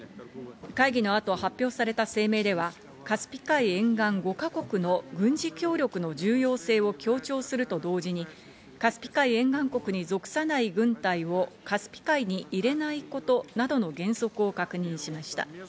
会議の後、発表された声明では、カスピ海沿岸５か国の軍事協力の重要性を強調すると同時にカスピ海沿岸国に属さない軍隊をカスピ海に入れないことなどの原則を確認しました。